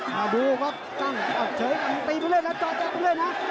มาดูก็ตั้งเฉยกันตีไปเลยนะจอแจ้งตัวด้วยนะ